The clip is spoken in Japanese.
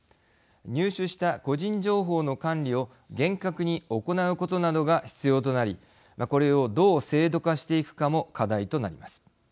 入手した個人情報の管理を厳格に行うことなどが必要となりこれをどう制度化していくかも課題となります。